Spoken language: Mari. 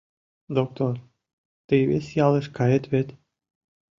Доктор, тый вес ялыш кает вет?